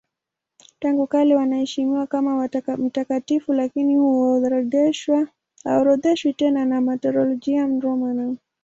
Tangu kale wanaheshimiwa kama mtakatifu lakini haorodheshwi tena na Martyrologium Romanum.